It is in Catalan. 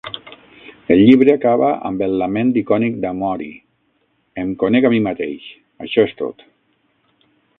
El llibre acaba amb el lament icònic d'Amory, "Em conec a mi mateix, això és tot".